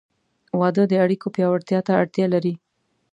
• واده د اړیکو پیاوړتیا ته اړتیا لري.